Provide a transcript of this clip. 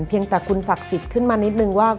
เพียงแต่คุณศักดิ์สิทธิ์ขึ้นมานิดนึงว่า